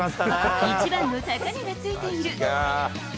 一番の高値がついている。